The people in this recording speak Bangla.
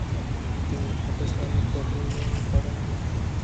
তিনি সঠিকভাবে বোলিং করেননি।